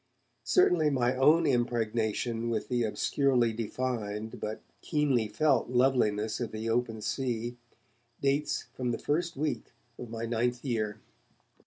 Certainly my own impregnation with the obscurely defined but keenly felt loveliness of the open sea dates from the first week of my ninth year.